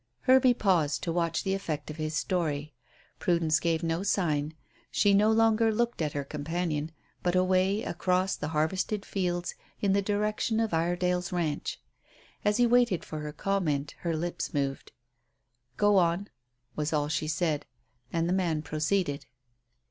Hervey paused to watch the effect of his story. Prudence gave no sign. She no longer looked at her companion, but away across the harvested fields in the direction of Iredale's ranch. As he waited for her comment her lips moved. "Go on," was all she said; and the man proceeded.